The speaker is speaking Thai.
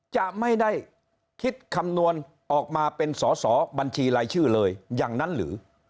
จะไม่ได้คิดคำนวณออกมาเป็นสอสอบัญชีรายชื่อเลยอย่างนั้นหรือ